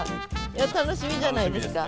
楽しみじゃないですか。